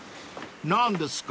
［何ですか？］